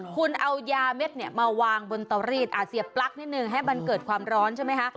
คุณเอายาเม็ดเนี่ยมาวางบนเตารีดเสียบปลั๊กนิดนึงให้มันเกิดความร้อนใช่ไหมคะ